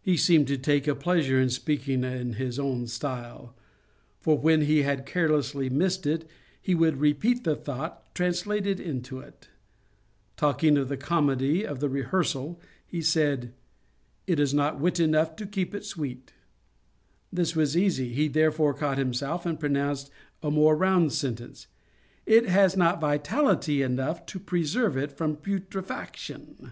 He seemed to take a pleasure in speaking in his own style; for when he had carelessly missed it, he would repeat the thought translated into it. Talking of the Comedy of The Rehearsal, he said, 'It has not wit enough to keep it sweet.' This was easy; he therefore caught himself, and pronounced a more round sentence; 'It has not vitality enough to preserve it from putrefaction.'